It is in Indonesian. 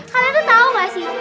kalian tuh tau gak sih